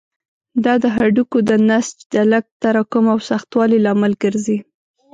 دا د هډوکو د نسج د لږ تراکم او سختوالي لامل ګرځي.